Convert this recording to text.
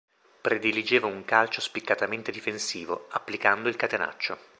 Prediligeva un calcio spiccatamente difensivo, applicando il catenaccio.